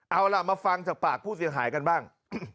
เอาล่ะมาฟังจากปากผู้เสียหายกันบ้าง